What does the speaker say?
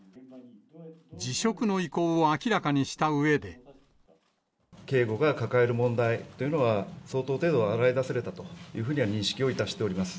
辞職の意向を明らかにしたう警護が抱える問題というのが、相当程度、洗い出されたというふうには認識をいたしております。